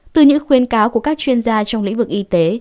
từ những khuyên cáo của các chuyên gia trong lĩnh vực y tế